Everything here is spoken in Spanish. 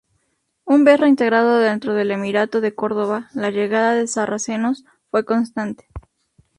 Un vez reintegrado dentro del emirato de Córdoba, la llegada de sarracenos fue constante.